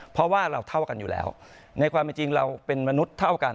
เพราะว่าเราเท่ากันอยู่แล้วในความเป็นจริงเราเป็นมนุษย์เท่ากัน